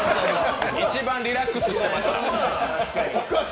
一番リラックスしてました。